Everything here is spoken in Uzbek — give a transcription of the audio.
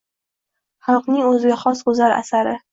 Xalqning o’ziga xos go’zal asari.